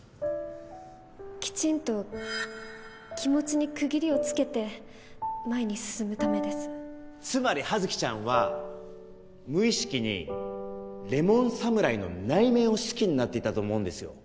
きちんと気持ちに区切りをつけて前つまり羽月ちゃんは無意識にレモン侍の内面を好きになっていたと思うんですよ